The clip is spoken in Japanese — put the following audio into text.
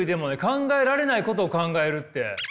「考えられないことを考える」って。